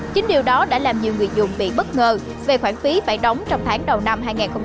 chính điều đó đã làm nhiều người dùng bị bất ngờ về khoản phí phải đóng trong tháng đầu năm hai nghìn hai mươi